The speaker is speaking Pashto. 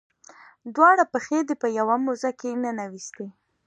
دواړه پښې دې په یوه موزه کې ننویستې.